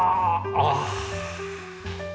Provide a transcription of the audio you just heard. ああ。